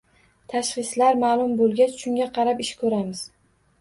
Tashxislar ma’lum bo‘lgach, shunga qarab ish ko‘ramiz…